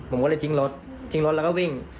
ผมก็เลยทิ้งรถทิ้งรถแล้วก็วิ่ง